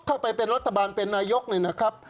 เข้าไปเป็นรัฐบาลเป็นนายกนี่นะครับ